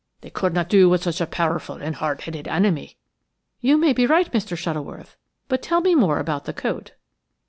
They could not do with such a powerful and hard headed enemy." "You may be right, Mr. Shuttleworth, but tell me more about the coat."